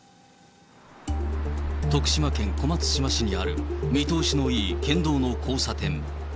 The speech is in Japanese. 徳島県小松島市にある見通しのいい県道の交差点。